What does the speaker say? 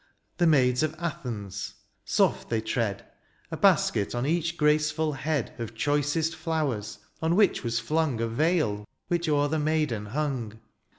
The maids of Athens ; soft they tread, — A basket on each graceful head. Of choicest flowers, on which was flung A veil which o'er the maiden hung.